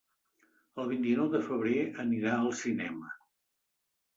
El vint-i-nou de febrer anirà al cinema.